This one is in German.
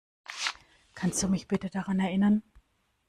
Kannst du mich bitte daran erinnern?